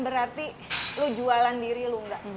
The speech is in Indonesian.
berarti lo jualan diri lo